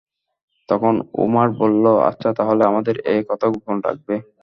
তখন উমাইর বলল, আচ্ছা, তাহলে আমাদের এ কথা গোপন রাখবে।